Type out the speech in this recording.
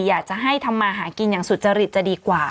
อยากจะให้ทำมาหากินอย่างสุจริตจะดีกว่า